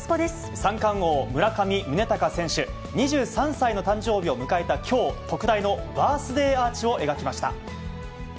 三冠王、村上宗隆選手、２３歳の誕生日を迎えたきょう、特大のバースデーアーチを描きました。